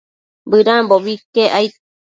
Bëdambobi iquec aid